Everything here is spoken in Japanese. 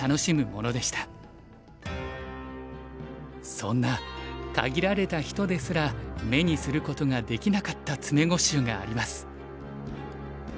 そんな限られた人ですら目にすることができなかった詰碁集があります。